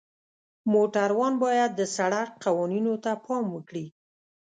موټروان باید د سړک قوانینو ته پام وکړي.